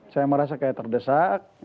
saya merasa kayak terdesak